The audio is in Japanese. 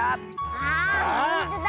あほんとだ。